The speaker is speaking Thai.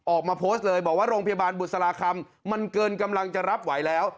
ออกมาโพสต์เลยบอกว่าโรงพยาบาลบุษราคำมันเกินกำลังจะรับไหวแล้ว